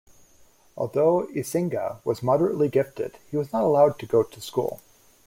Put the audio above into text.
Although Eisinga was moderately gifted, he was not allowed to go to school.